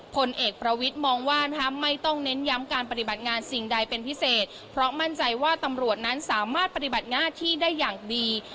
ผลเอกประวิทย์มองว่าไม่ต้องเน้นย้ำการปฏิบัติงานสิ่งใดเป็นพิเศษเพราะมั่นใจว่าตำรวจนั้นสามารถปฏิบัติหน้าที่ได้อย่างดี